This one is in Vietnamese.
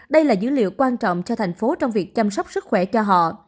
đây là dữ liệu quan trọng cho thành phố trong việc chăm sóc sức khỏe cho họ